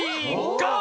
ゴー！